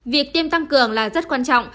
việc tiêm tăng cường là rất quan trọng